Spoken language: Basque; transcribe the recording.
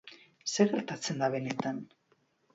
Zer gertatzen da benetan?